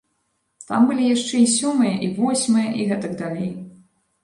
Там былі яшчэ і сёмае, і восьмае, і гэтак далей.